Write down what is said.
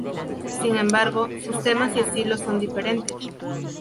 Sin embargo, sus temas y estilos son diferentes.